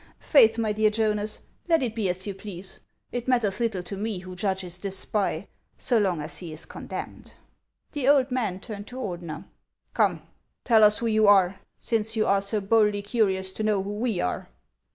" Faith, my dear Jonas, let it be as you please ! It matters little to me who judges this spy, so long as he is condemned." The old man turned to Ordener. " Come, tell us who you are, since you are so boldly curious to know who we are."